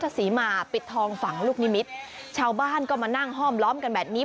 ศรีมาปิดทองฝังลูกนิมิตรชาวบ้านก็มานั่งห้อมล้อมกันแบบนี้